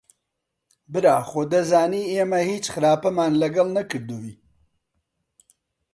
برا خۆ دەزانی ئێمە هیچ خراپەمان لەگەڵ نەکردووی